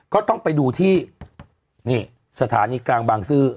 ก็ต้องไปดูที่นี่สถานีกลางบางซื่อ